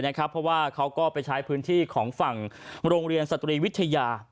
เพราะว่าเขาก็ไปใช้พื้นที่ของฝั่งโรงเรียนสตรีวิทยา